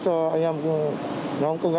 cho nhóm công nghệ